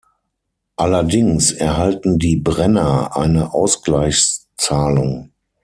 Allerdings erhalten die Brenner eine Ausgleichszahlung.